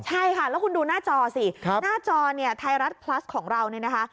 ใช่ค่ะแล้วคุณดูหน้าจอสิหน้าจอเนี่ยไทยรัฐพลัสของเราเนี่ยนะคะ